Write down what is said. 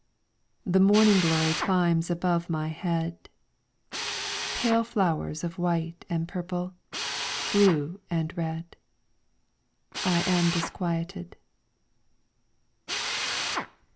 The morning glory climbs above my head, Pale flowers of white and purple, blue and red. I am disquieted.